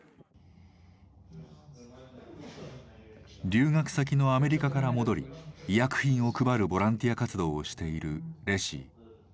留学先のアメリカから戻り医薬品を配るボランティア活動をしているレシィ。